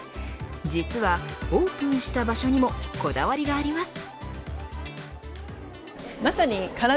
実はオープンした場所にもこだわりがあります。